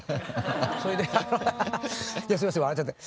それでアハハハすいません笑っちゃって。